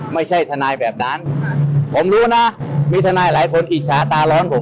ไม่ใช่ทนายแบบนั้นผมรู้นะมีทนายหลายคนอิจฉาตาร้อนผม